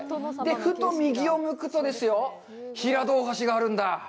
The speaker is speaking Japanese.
ふと右を向くとですよ、平戸大橋があるんだ。